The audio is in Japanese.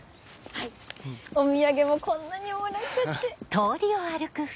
はいお土産もこんなにもらっちゃって。